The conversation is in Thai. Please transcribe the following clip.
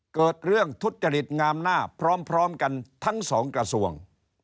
เกิดเรื่องทุจริตงามหน้าพร้อมกันทั้งสองกระทรวง